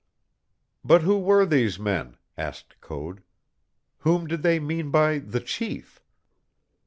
"But who were these men?" asked Code. "Whom did they mean by the chief?"